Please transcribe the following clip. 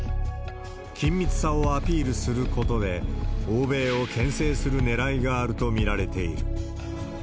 緊密さをアピールすることで、欧米をけん制するねらいがあると見られている。